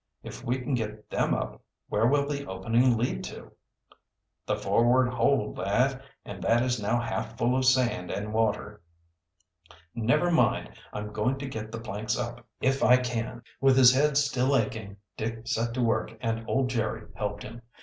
"If we can get them up, where will the opening lead to?" "The forward hold, lad, and that is now half full of sand and water." "Never mind, I'm going to get the planks up if I can." With his head still aching Dick set to work and old Jerry helped him.